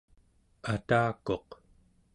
atakuq